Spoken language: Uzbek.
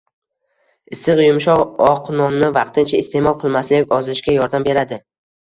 Issiq, yumshoq, oq nonni vaqtincha iste’mol qilmaslik ozishga yordam beradi.